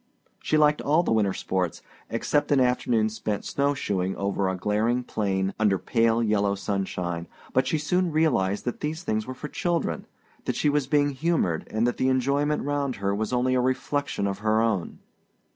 She liked all the winter sports, except an afternoon spent snow shoeing over a glaring plain under pale yellow sunshine, but she soon realized that these things were for children that she was being humored and that the enjoyment round her was only a reflection of her own.